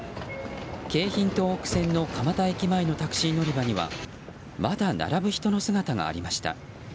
京浜東北線の蒲田駅前のタクシー乗り場にはまだ並ぶ人の姿がありました。